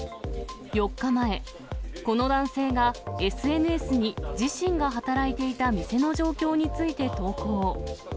４日前、この男性がＳＮＳに自身が働いていた店の状況について投稿。